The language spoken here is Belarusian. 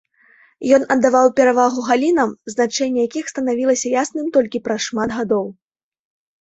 Ён аддаваў перавагу галінам, значэнне якіх станавілася ясным толькі праз шмат гадоў.